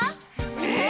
え